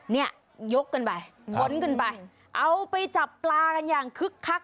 เนี่ยยกกันไปค้นกันไปเอาไปจับปลากันอย่างคึกคัก